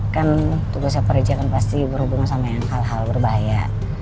kan tugasnya pereja kan pasti berhubungan sama hal hal berbahaya